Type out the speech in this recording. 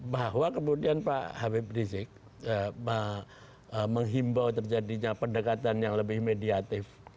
bahwa kemudian pak habib rizik menghimbau terjadinya pendekatan yang lebih mediatif